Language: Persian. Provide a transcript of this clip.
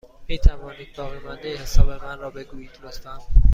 می توانید باقیمانده حساب من را بگویید، لطفا؟